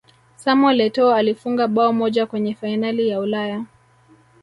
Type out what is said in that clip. samuel etoo alifunga bao moja kwenye fainali ya ulaya